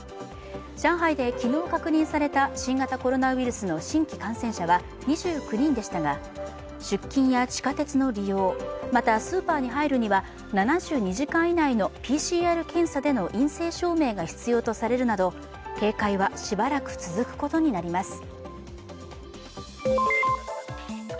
上海で昨日確認された新型コロナウイルスの新規感染者は２９人でしたが出勤や地下鉄の利用またスーパーに入るには７２時間以内のＰＣＲ検査での陰性証明が必要とされるなど警戒はしばらく続くことになります。